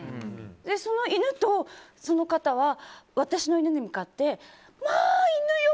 その犬とその方は私の犬に向かってまあ、犬よ！